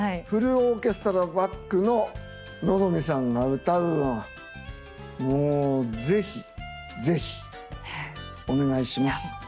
フルオーケストラバックの望海さんが歌うのはもう是非是非お願いします。